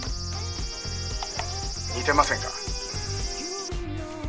「似てませんか？」